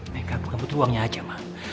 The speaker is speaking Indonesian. meka bukan butuh uangnya aja ma